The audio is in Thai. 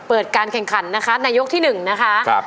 เปิดการแข่งขันนะคะในยกที่๑นะคะ